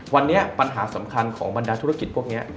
วันนี้ปัญหาสำคัญของบรรดาธุรกิจพวกนี้